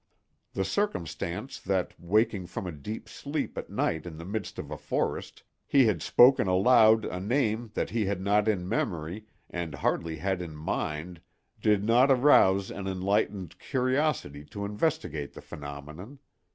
The circumstance that, waking from a deep sleep at night in the midst of a forest, he had spoken aloud a name that he had not in memory and hardly had in mind did not arouse an enlightened curiosity to investigate the phenomenon.